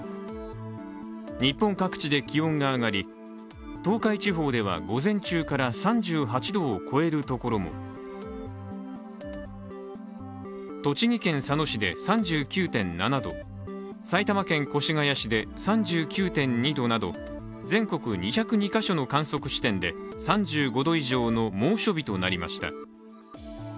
日本各地で気温が上がり、東海地方では午前中から３８度を超えるところも栃木県佐野市で３９．７度、埼玉県越谷市で３９．２度など全国２０２カ所の観測地点で３５度以上の猛暑日となりました。